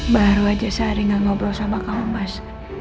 baru aja sehari gak ngobrol sama kamu mas